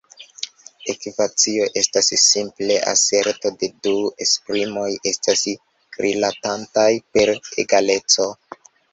Ekvacio estas simple aserto ke du esprimoj estas rilatantaj per egaleco.